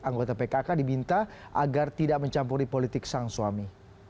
anggota pkk diminta agar tidak mencampuri politik sang suami